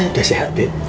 udah sehat beb